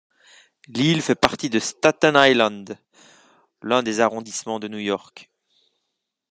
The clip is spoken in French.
L'île fait partie de Staten Island, l'un des arrondissements de New York.